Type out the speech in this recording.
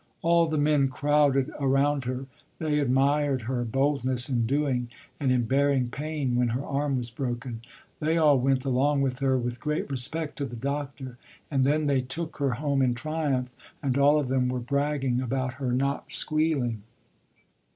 All the men crowded around her. They admired her boldness in doing and in bearing pain when her arm was broken. They all went along with her with great respect to the doctor, and then they took her home in triumph and all of them were bragging about her not squealing.